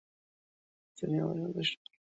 তিনিই মাদ্রাসাটি প্রতিষ্ঠা করেন।